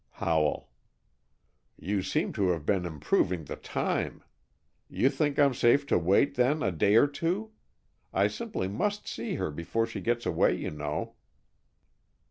Howell: "You seem to have been improving the time! You think I'm safe to wait, then, a day or two? I simply must see her before she gets away, you know."